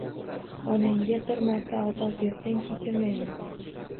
Onangga bir marta ozor bersang, kechirmayman.